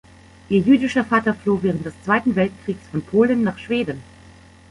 Ihr jüdischer Vater floh während des Zweiten Weltkriegs von Polen nach Schweden.